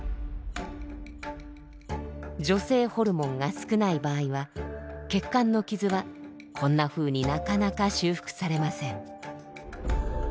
女性ホルモンが少ない場合は血管の傷はこんなふうになかなか修復されません。